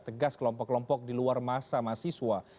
tegas kelompok kelompok di luar masa mahasiswa